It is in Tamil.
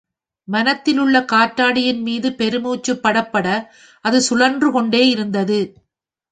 மனத்திலுள்ள காற்றாடியின் மீது பெருமூச்சுப் படப்பட அது சுழன்று கொண்டே இருந்தது.